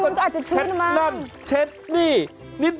มันก็อาจจะชื่นมากมากเดียวเห็นใช่มั้ง